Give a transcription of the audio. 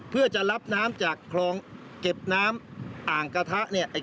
เพื่อจะรับน้ำจากคลองเก็บน้ำอ่างกระทะเนี่ย